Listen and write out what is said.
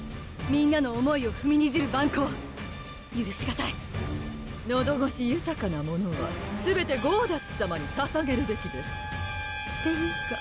みんなの思いをふみにじる蛮行ゆるしがたいのどごしゆたかなものはすべてゴーダッツさまにささげるべきですっていうか